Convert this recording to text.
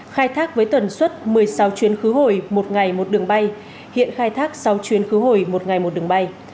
khai thác với tần suất một mươi sáu chuyến khứ hồi một ngày một đường bay hiện khai thác sáu chuyến khứ hồi một ngày một đường bay